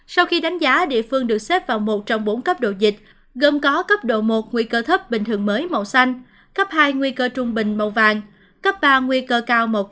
sau khi đánh giá địa phương được xếp vào một trong bốn cấp độ dịch gồm có cấp độ một nguy cơ thấp bình thường mới màu xanh cấp hai nguy cơ trung bình màu vàng cấp ba nguy cơ cao màu cam và cấp ba nguy cơ cao màu xanh